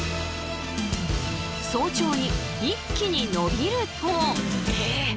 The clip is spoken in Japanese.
早朝に一気に伸びると。